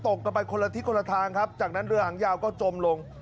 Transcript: กันไปคนละทิศคนละทางครับจากนั้นเรือหางยาวก็จมลง